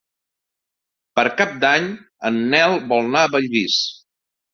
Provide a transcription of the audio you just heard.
Per Cap d'Any en Nel vol anar a Bellvís.